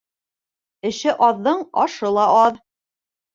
Эше аҙҙың ашы ла аҙ.